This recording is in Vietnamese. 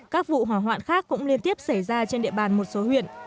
các vụ hỏa hoạn khác cũng liên tiếp xảy ra trên địa bàn một số huyện